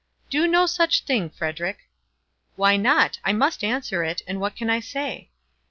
"Do no such thing, Frederic." "Why not? I must answer it, and what can I say?"